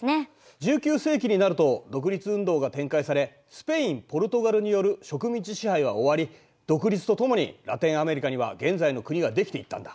１９世紀になると独立運動が展開されスペインポルトガルによる植民地支配は終わり独立とともにラテンアメリカには現在の国が出来ていったんだ。